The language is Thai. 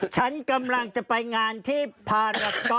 ฉันกำลังจะไปงานที่พาราก๊อ